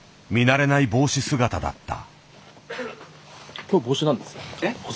慣れない帽子姿だった。